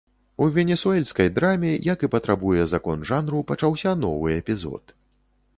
У венесуэльскай драме, як і патрабуе закон жанру, пачаўся новы эпізод.